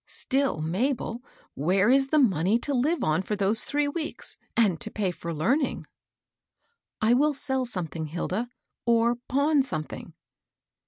Still, Mabel, where is the money to live on for those three weeks, and to pay for learn ing?" "I will sell something, Hilda, or pawn some thing."